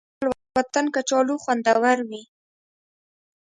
د خپل وطن کچالو خوندور وي